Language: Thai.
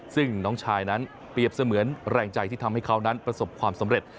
ซึ่งน้องชายนั้นเปรียบเสมือนแรงใจที่ทำให้เขานั้นประสบความสำเร็จ